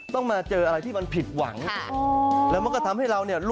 น้องกระดาษอีกท่านหนึ่งก็คือด้านนั้น